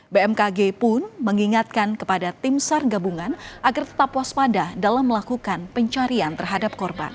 bmkg pun mengingatkan kepada tim sar gabungan agar tetap waspada dalam melakukan pencarian terhadap korban